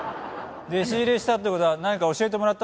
弟子入りしたって事は何か教えてもらったんですか？